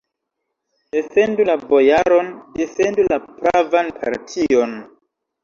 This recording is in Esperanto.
Defendu la bojaron, defendu la pravan partion!